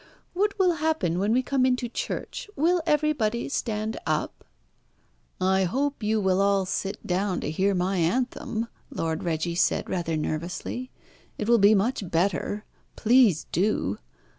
What will happen when we come into church. Will everybody stand up?" "I hope you will all sit down to hear my anthem," Lord Reggie said rather nervously. "It will be much better. Please, do!